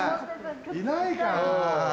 いないかな。